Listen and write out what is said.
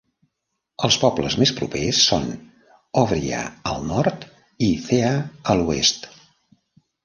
Els pobles més propers són Ovrya al nord i Thea a l'oest.